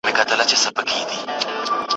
پر تسپو پر عبادت پر خیراتونو